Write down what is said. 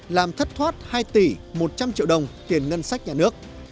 làm thất thoát hai tỷ một trăm linh triệu đồng tiền ngân sách nhà nước